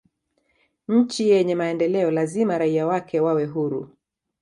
nchi yenye maendeleo lazima raia wake wawe huru